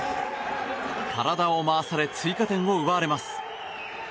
体を回され追加点を奪われます。